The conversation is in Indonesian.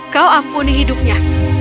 kau ampuni hidupnya